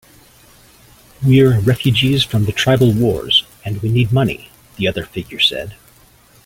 "We're refugees from the tribal wars, and we need money," the other figure said.